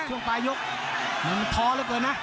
ครุ่งปลายยุคนึ่งท้อละเกินนะ